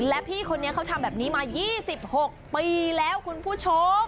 และพี่คนนี้เขาทำแบบนี้มา๒๖ปีแล้วคุณผู้ชม